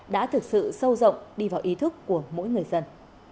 đã thực sự sâu rộng đi vào ý thức của mỗi người dân